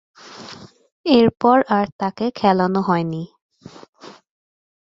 এরপর আর তাকে খেলানো হয়নি।